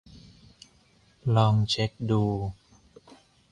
ลองเช็คดู